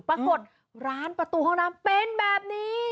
ปรากฏร้านประตูห้องน้ำเป็นแบบนี้